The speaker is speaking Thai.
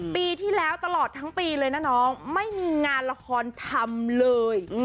ปีที่แล้วตลอดทั้งปีเลยนะน้องไม่มีงานละครทำเลย